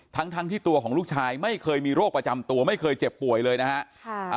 ทั้งที่ตัวของลูกชายไม่เคยมีโรคประจำตัวไม่เคยเจ็บป่วยเลยนะฮะ